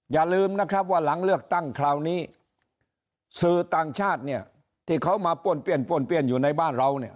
อย่าลืมนะครับว่าหลังเลือกตั้งคราวนี้สื่อต่างชาติเนี่ยที่เขามาป้วนเปี้ยนป้วนเปี้ยนอยู่ในบ้านเราเนี่ย